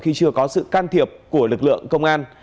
khi chưa có sự can thiệp của lực lượng công an